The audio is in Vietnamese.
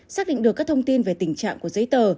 xác định được các thông tin về tình trạng của giấy tờ